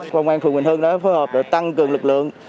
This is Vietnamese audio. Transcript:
phòng an phường quỳnh hưng đã phối hợp tăng cường lực lượng